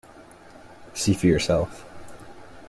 See for yourself.